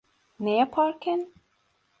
Ne yaparken?